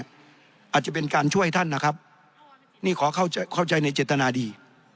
อาจจะเป็นการช่วยท่านนะครับนี่ขอเข้าใจในเจตนาดี